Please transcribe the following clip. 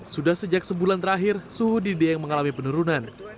sudah sejak sebulan terakhir suhu di dieng mengalami penurunan